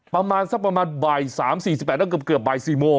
ประมาณสักประมาณบ่าย๓๔๘แล้วเกือบบ่าย๔โมง